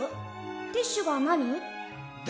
ティッシュがなに？